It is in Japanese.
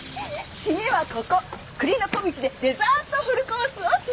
締めはここ栗の小径でデザートフルコースを試食。